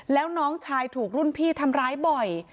แล้วน้องชายถูกรุ่นพี่ทำร้ายบ่อย